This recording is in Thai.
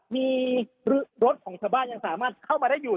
มีรถของชาวน้ำน้ำน้ำของชาวบ้านเข้ามาได้อยู่